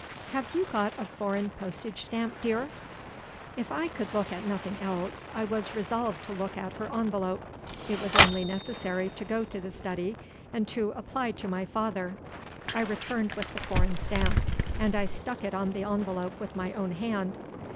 "Have you got a foreign postage stamp, dear?" If I could look at nothing else, I was resolved to look at her envelope. It was only necessary to go to the study, and to apply to my father. I returned with the foreign stamp, and I stuck it on the envelope with my own hand.